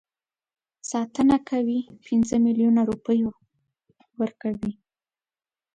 ساتنه کوي پنځه میلیونه روپۍ ورکوي.